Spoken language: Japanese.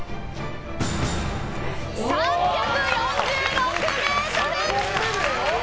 ３４６ｍ！